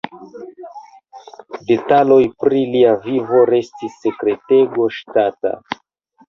Detaloj pri lia vivo restis sekretego ŝtata.